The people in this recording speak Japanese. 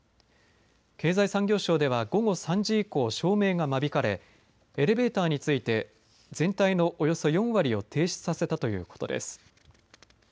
経済産業省では午後３時以降、照明が間引かれエレベーターについて全体のおよそ４割を停止させたということです。